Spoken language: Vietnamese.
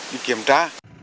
đi kiểm tra